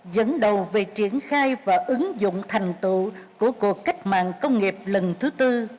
dẫn đầu về triển khai và ứng dụng thành tựu của cuộc cách mạng công nghiệp lần thứ tư